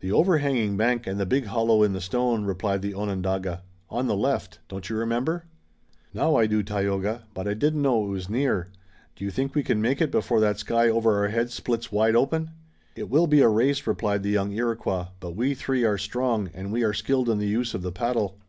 "The overhanging bank and the big hollow in the stone," replied the Onondaga. "On the left! Don't you remember?" "Now I do, Tayoga, but I didn't know it was near. Do you think we can make it before that sky over our heads splits wide open?" "It will be a race," replied the young Iroquois, "but we three are strong, and we are skilled in the use of the paddle."